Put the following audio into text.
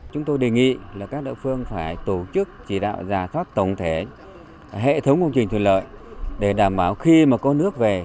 chúng tôi đề nghị các đạo phương phải tổ chức chỉ đạo giả thoát tổng thể hệ thống công trình thủy lợi để đảm bảo khi có nước về